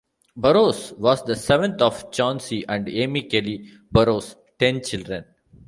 Burroughs was the seventh of Chauncy and Amy Kelly Burroughs' ten children.